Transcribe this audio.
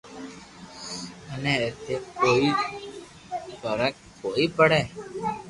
مني اي تي ڪوئي فراڪ ڪوئي پڙي